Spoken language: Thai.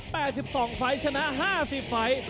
สวัสดีครับสวัสดีครับ